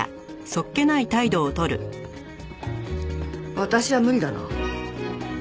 私は無理だな。